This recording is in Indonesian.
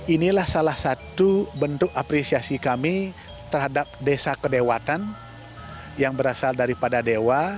inilah salah satu bentuk apresiasi kami terhadap desa kedewatan yang berasal daripada dewa